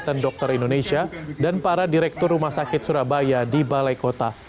ikatan dokter indonesia dan para direktur rumah sakit surabaya di balai kota